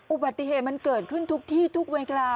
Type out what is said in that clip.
อุบัติเหตุมันเกิดขึ้นทุกที่ทุกเวลา